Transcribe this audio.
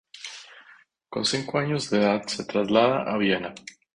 Con cinco años de edad se traslada a Viena.